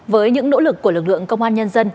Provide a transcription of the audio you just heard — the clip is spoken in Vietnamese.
với những nỗ lực của lực lượng công an nhân dân